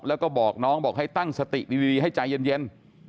แล้วก็บอกน้องบอกให้ตั้งสติดีให้ใจเย็น